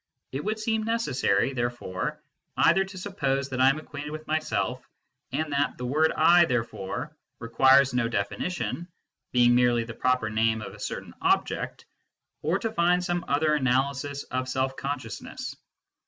It would seem necessary, therefore, either to suppose that I am acquainted with myself, and that " I," therefore, requires no definition, being merely the proper name of a certain object, or to find some other analysis of self consciousness.